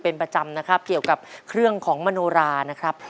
เพราะตอนนี้เวลามันเดินไปแล้วนะครับ